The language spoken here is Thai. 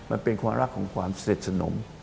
มันเป็นความรักของความเสร็จสนม